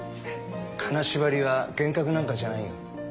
金縛りは幻覚なんかじゃないよ。